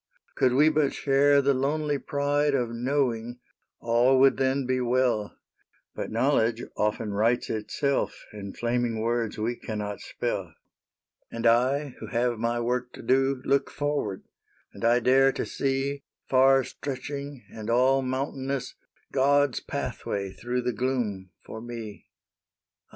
Could we but share the lonely pride Of knowing, all would then be well ; But knowledge often writes itself In flaming words we cannot spell. " And I, who have my work to do, Look forward ; and I dare to see, Far stretching and all mountainous, God's pathway through the gloom for me.